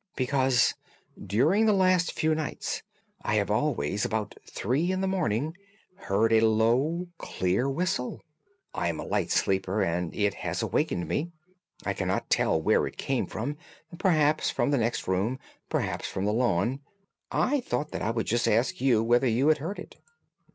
"'Because during the last few nights I have always, about three in the morning, heard a low, clear whistle. I am a light sleeper, and it has awakened me. I cannot tell where it came from—perhaps from the next room, perhaps from the lawn. I thought that I would just ask you whether you had heard it.